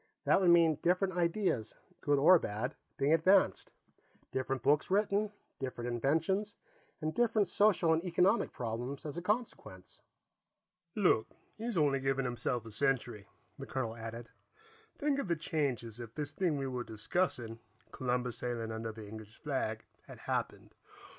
That would mean different ideas, good or bad, being advanced; different books written; different inventions, and different social and economic problems as a consequence." "Look, he's only giving himself a century," the colonel added. "Think of the changes if this thing we were discussing, Columbus sailing under the English flag, had happened.